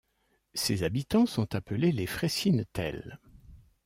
Ses habitants sont appelés les Fraissinetels.